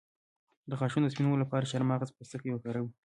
د غاښونو د سپینولو لپاره د چارمغز پوستکی وکاروئ